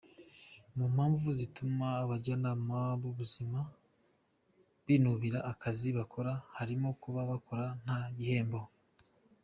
Mu mpamvu zituma abajyanama b’ ubuzima binubira akazi bakora harimo kuba bakora nta gihembo.